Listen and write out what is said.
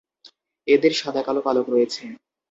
এদের সাদা-কালো পালক রয়েছে।